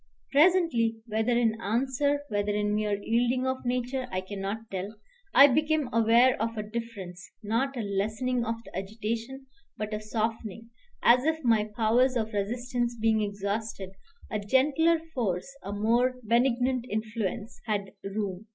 Presently whether in answer, whether in mere yielding of nature, I cannot tell I became aware of a difference: not a lessening of the agitation, but a softening, as if my powers of resistance being exhausted, a gentler force, a more benignant influence, had room.